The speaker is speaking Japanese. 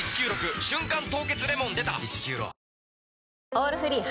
「オールフリー」